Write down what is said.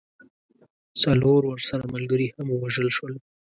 څلور ورسره ملګري هم ووژل سول.